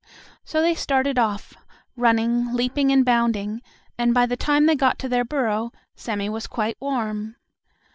So they started off, running, leaping and bounding, and by the time they got to their burrow, Sammie was quite warm.